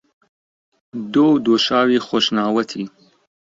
دۆ و دۆشاوی خۆشناوەتی